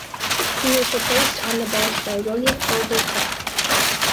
He was replaced on the bench by William Ogle Carr